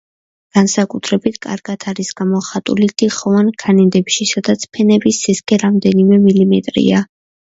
განსაკუთრებით კარგად არის გამოხატული თიხოვან ქანებში, სადაც ფენების სისქე რამდენიმე მილიმეტრია.